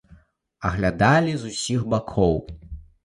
Аглядалі з усіх бакоў.